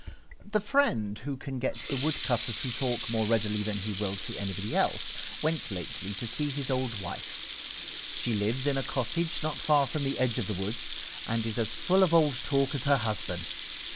t he friend who can get the wood cutter to talk more readily than he will to anybody else went lately to see his old wife. She lives in a cottage not far from the edge of the woods, and is as full of old talk as her husband.